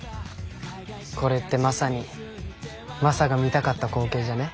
これってまさにマサが見たかった光景じゃねえ？